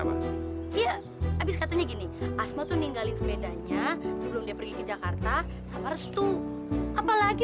habis katanya gini asmatu ninggalin sepedanya sebelum dia pergi ke jakarta sama restu apalagi